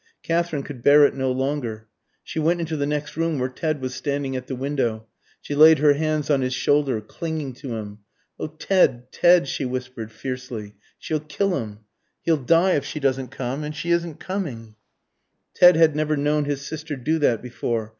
Katherine could bear it no longer. She went into the next room, where Ted was standing at the window. She laid her hands on his shoulder, clinging to him. "Oh Ted, Ted," she whispered, fiercely. "She'll kill him. He'll die if she doesn't come. And she isn't coming." Ted had never known his sister do that before.